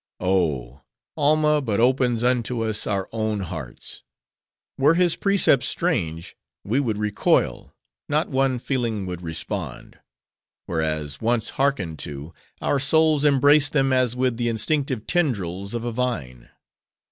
Oh! Alma but opens unto us our own hearts. Were his precepts strange we would recoil—not one feeling would respond; whereas, once hearkened to, our souls embrace them as with the instinctive tendrils of a vine."